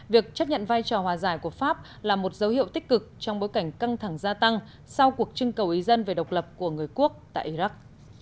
việc chấp nhận vai trò hòa giải của pháp là một dấu hiệu tích cực trong bối cảnh căng thẳng gia tăng sau cuộc trưng cầu ý dân về độc lập của người quốc tại iraq